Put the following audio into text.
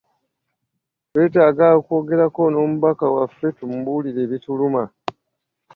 Twetaaga okwogerako n'omubaka waffe tumubuulire ebituluma.